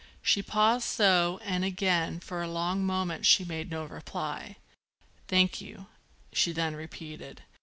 She paused so and again, for a long moment, she made no reply. "Thank you," she then repeated.